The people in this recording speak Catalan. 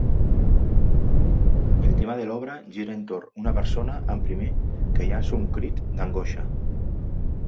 El tema de l'obra gira entorn una persona en primer que llança un crit d'angoixa.